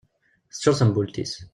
Tecčur tembult-is